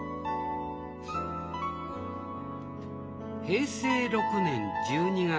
平成６年１２月。